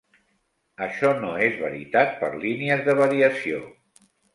Això no es veritat per línies de variació.